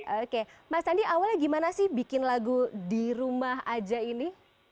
oke mas andi awalnya gimana sih bikin lagu di rumah aja ini